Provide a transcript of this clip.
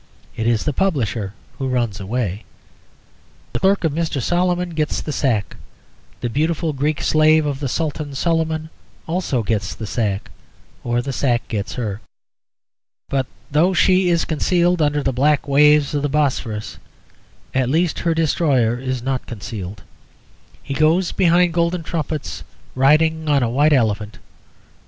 It is the publisher who runs away. The clerk of Mr. Solomon gets the sack: the beautiful Greek slave of the Sultan Suliman also gets the sack; or the sack gets her. But though she is concealed under the black waves of the Bosphorus, at least her destroyer is not concealed. He goes behind golden trumpets riding on a white elephant.